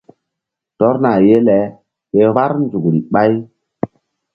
Tɔrna ye le ke vbár nzukri ɓáy.